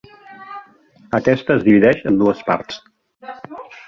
Aquesta es divideix en dues parts.